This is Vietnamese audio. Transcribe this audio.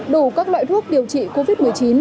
đủ các loại thuốc điều trị covid một mươi chín